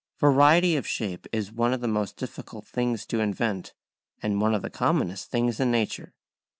Variety of shape is one of the most difficult things to invent, and one of the commonest things in nature.